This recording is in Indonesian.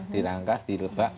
di rangkas di lebak